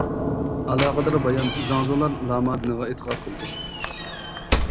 ئالاقىدار بايان زاڭزۇلار لاما دىنىغا ئېتىقاد قىلىدۇ.